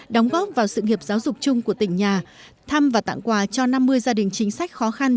đóng góp vào sự nghiệp giáo dục chung của tỉnh nhà thăm và tặng quà cho năm mươi gia đình chính sách khó khăn